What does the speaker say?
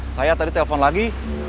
saya tadi telepon lagi